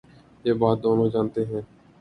یہ بات دونوں جا نتے ہیں۔